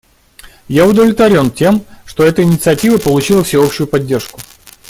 Я удовлетворен тем, что эта инициатива получила всеобщую поддержку.